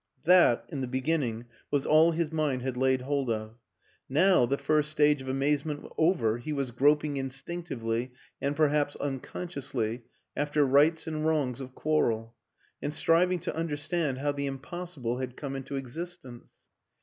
That, in the be 196 WILLIAM AN ENGLISHMAN ginning, was all his mind had laid hold of; now, the first stage of amazement over, he was groping instinctively, and perhaps unconsciously, after rights and wrongs of quarrel, and striving to un derstand how the impossible had come into ex istence.